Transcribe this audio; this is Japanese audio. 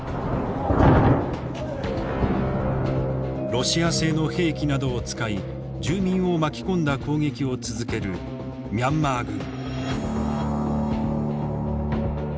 ロシア製の兵器などを使い住民を巻き込んだ攻撃を続けるミャンマー軍。